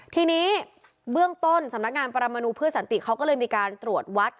ทีนี้เบื้องต้นสำนักงานปรมนูเพื่อสันติเขาก็เลยมีการตรวจวัด